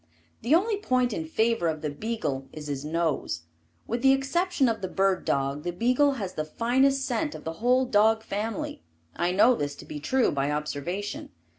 The only point in favor of the beagle is his nose. With the exception of the bird dog the beagle has the finest scent of the whole dog family. I know this to be true by observation.